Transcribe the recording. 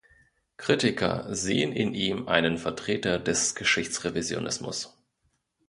Kritiker sehen in ihm einen Vertreter des Geschichtsrevisionismus.